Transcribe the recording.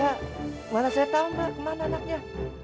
ya gimana saya tau mbak kemana anaknya